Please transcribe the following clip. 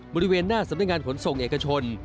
บริเวณหน้าสำนักงานขนส่งเอกชน